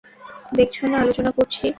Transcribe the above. দেখছ না আলোচনা করছি?